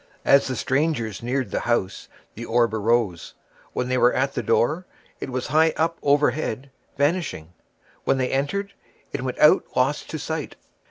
As the strangers neared the house, the orb arose; when they were at the door, it was high up overhead vanishing; when they entered, it went out lost to sight.